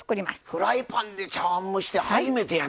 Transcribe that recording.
フライパンで茶わん蒸しって初めてやな。